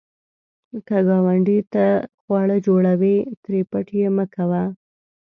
که ګاونډي ته خواړه جوړوې، ترې پټ یې مه کوه